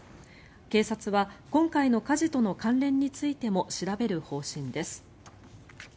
警察は今回の火事との関連についても調べる方針です。